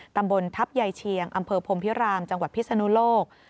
ตำบลทัพยายเชียงอำเภอพรมพิรามจังหวัดพิศนุโลก